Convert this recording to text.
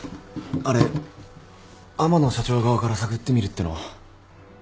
あれ阿万野社長側から探ってみるってのは？